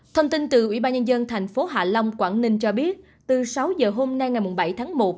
thông tin từ ubnd tp hạ long quảng ninh cho biết từ sáu giờ hôm nay ngày bảy tháng một